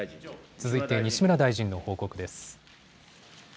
続いて西村大臣の報告です。